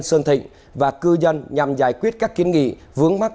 sơn thịnh và cư dân nhằm giải quyết các kiến nghị vướng mắt